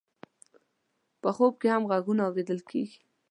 په خوب کې هم غږونه اورېدل کېږي.